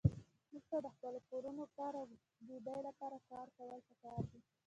موږ ته د خپلو کورونو، کار او ډوډۍ لپاره کار کول پکار دي.